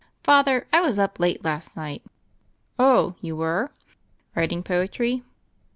"Father, I was up late last night." "Oh, you were? Writing poetry?"